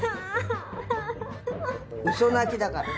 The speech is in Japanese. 嘘泣きだから。